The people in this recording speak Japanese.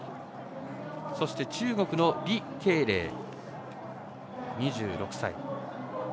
そして中国の李慧玲、２６歳。